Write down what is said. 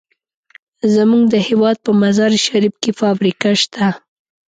زمونږ د هېواد په مزار شریف کې فابریکه شته.